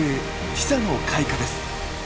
「ティサの開花」です。